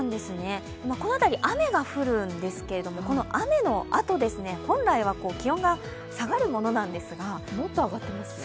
この辺り、雨が降るんですが、この雨のあと本来は気温が下がるものなんですが、上がっています。